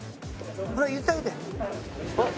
ほら言ってあげて！